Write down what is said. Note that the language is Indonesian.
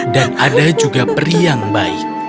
dan ada juga peri yang baik